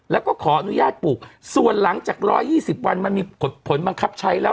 แล้วก็ขออนุญาตปลูกส่วนหลังจาก๑๒๐วันมันมีผลบังคับใช้แล้ว